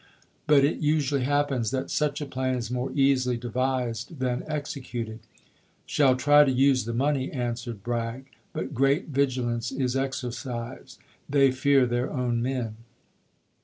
But it usually happens that such a i p 459. plan is more easily devised than executed. " Shall Bragg to try to use the money," answered Bragg, " but great Aprfig.isei. vigilance is exercised. They fear their own men."